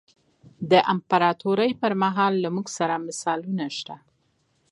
د امپراتورۍ پرمهال له موږ سره مثالونه شته.